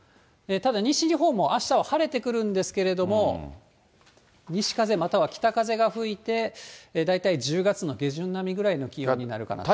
ただ、西日本もあしたは晴れてくるんですけれども、西風、または北風が吹いて、大体１０月の下旬並みぐらいの気温になるかなと。